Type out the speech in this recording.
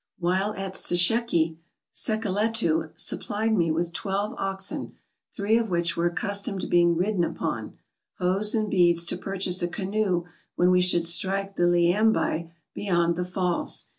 While at Sesheke, Sekeletu supplied me with twelve oxen — three of which were accustomed to being ridden upon — hoes and beads to purchase a canoe when we should strike the Leeambye beyond the falls.